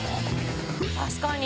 確かに。